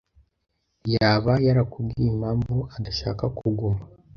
yaba yarakubwiye impamvu adashaka kuguma?